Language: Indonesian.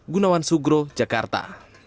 gunawan sugro jakarta